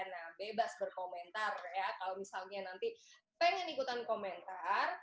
nah bebas berkomentar ya kalau misalnya nanti pengen ikutan komentar